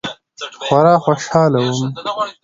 خورا خوشحاله وم.